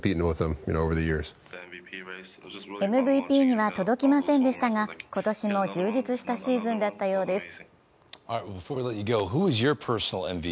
ＭＶＰには届きませんでしたが今年も充実したシーズンだったようです。